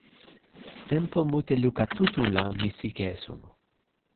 tenpo mute luka tu tu la mi sike e suno.